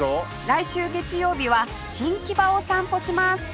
来週月曜日は新木場を散歩します